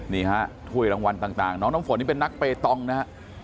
นี่ฮะถ้วยรางวัลต่างน้องน้ำฝนนี่เป็นนักเปตองนะฮะ